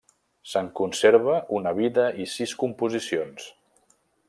Se'n conserva una vida i sis composicions.